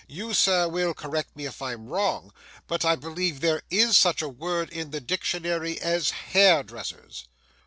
You, sir, will correct me if I'm wrong, but I believe there is such a word in the dictionary as hairdressers.